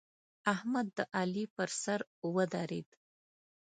احمد د علي پر سر ودرېد.